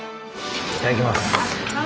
いただきます。